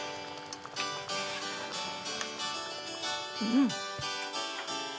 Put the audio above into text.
うん！